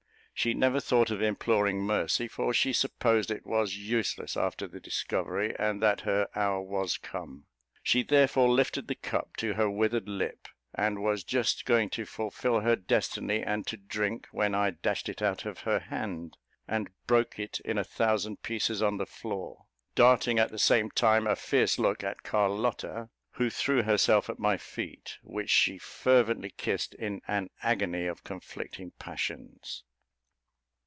She never thought of imploring mercy, for she supposed it was useless after the discovery, and that her hour was come; she therefore lifted the cup to her withered lip, and was just going to fulfil her destiny and to drink, when I dashed it out of her hand, and broke it in a thousand pieces on the floor, darting, at the same time, a fierce look at Carlotta, who threw herself at my feet, which she fervently kissed in an agony of conflicting passions.